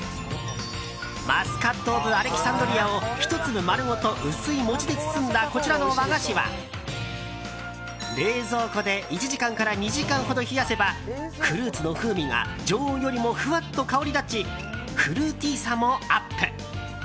マスカット・オブアレキサンドリアを１粒丸ごと薄い餅で包んだこちらの和菓子は冷蔵庫で１時間から２時間ほど冷やせばフルーツの風味が常温よりもふわっと香り立ちフルーティーさもアップ！